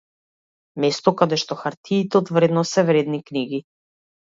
Место каде што хартиите од вредност се вредни книги.